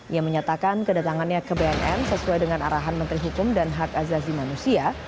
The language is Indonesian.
ia menyatakan kedatangannya ke bnn sesuai dengan arahan menteri hukum dan hak azazi manusia